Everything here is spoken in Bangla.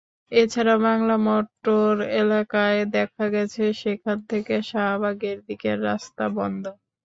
এছাড়া বাংলা মোটর এলাকায় দেখা গেছে সেখান থেকে শাহবাগের দিকে রাস্তা বন্ধ।